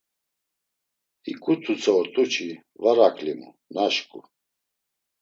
Hiǩu t̆utsa ort̆u çi, var aǩlimu, naşǩu.